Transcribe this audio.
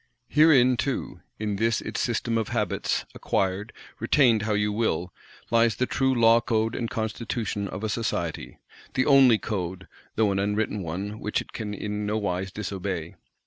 Herein too, in this its System of Habits, acquired, retained how you will, lies the true Law Code and Constitution of a Society; the only Code, though an unwritten one which it can in nowise _dis_obey.